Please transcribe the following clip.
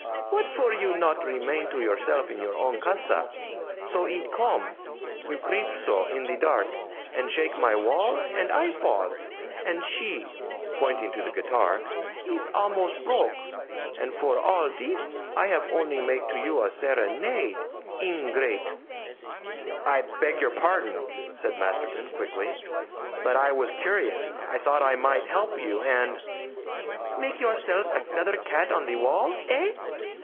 "What for you not remain to yourself in your own CASA? So it come. You creep so in the dark and shake my wall, and I fall. And she," pointing to the guitar, "is a'most broke! And for all thees I have only make to you a serenade. Ingrate!" "I beg your pardon," said Masterton quickly, "but I was curious. I thought I might help you, and " "Make yourself another cat on the wall, eh?